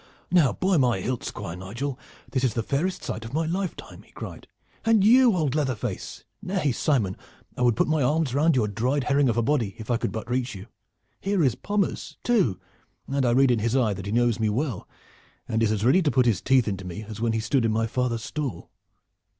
"Now, by my hilt, Squire Nigel, this is the fairest sight of my lifetime!" he cried. "And you, old leather face! Nay, Simon, I would put my arms round your dried herring of a body, if I could but reach you. Here is Pommers too, and I read in his eye that he knows me well and is as ready to put his teeth into me as when he stood in my father's stall."